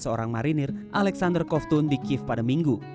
seorang marinir alexander kovtun di kiev pada minggu